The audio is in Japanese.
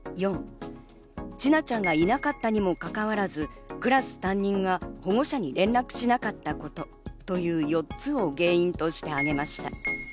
４、千奈ちゃんがいなかったにもかかわらず、クラス担任が保護者に連絡しなかったこと、という４つを原因として挙げました。